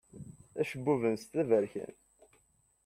Acebbub-nsent d aberkan.